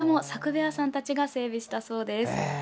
そちらも作部屋さんたちが整備したそうです。